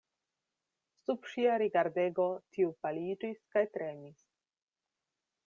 Sub ŝia rigardego tiu paliĝis kaj tremis.